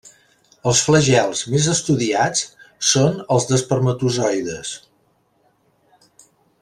Els flagels més estudiats són els d'espermatozoides.